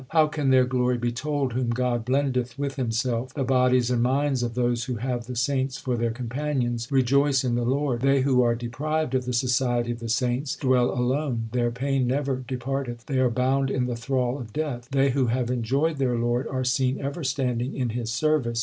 How can their glory be told whom God blendeth with Himself ? The bodies and minds of those who have the saints for their companions rejoice in the Lord. They who are deprived of the society of the saints dwell alone ; Their pain never departeth ; they are bound in the thrall of Death. They who have enjoyed their Lord are seen ever standing in His service.